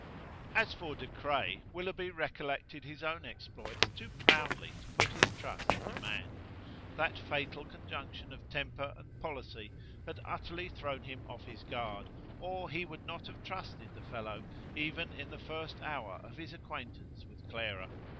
As for De Craye, Willoughby recollected his own exploits too proudly to put his trust in a man. That fatal conjunction of temper and policy had utterly thrown him off his guard, or he would not have trusted the fellow even in the first hour of his acquaintance with Clara.